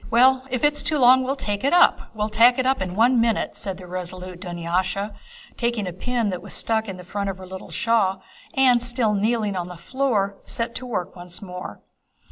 "Well, if it's too long we'll tack it up... we'll tack it up in one minute," said the resolute Dunyásha taking a needle that was stuck on the front of her little shawl and, still kneeling on the floor, set to work once more.